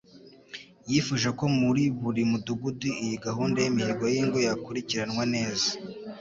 Yifuje ko muri buri mudugudu iyi gahunda y'imihigo y'ingo yakurikiranwa neza